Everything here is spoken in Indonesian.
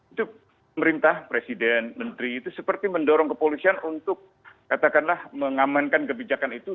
itu pemerintah presiden menteri itu seperti mendorong kepolisian untuk katakanlah mengamankan kebijakan itu